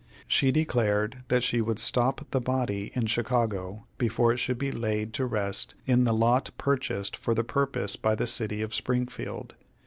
She declared that she would stop the body in Chicago before it should be laid to rest in the lot purchased for the purpose by the City of Springfield.